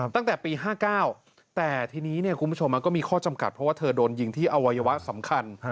ตั้งแต่ปี๕๙แต่ทีนี้คุณผู้ชมมันก็มีข้อจำกัดเพราะว่าเธอโดนยิงที่อวัยวะสำคัญ